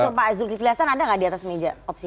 pengusup pak azul tiflihastan ada nggak di atas meja opsinya